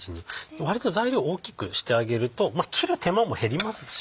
割と材料大きくしてあげると切る手間も減りますし。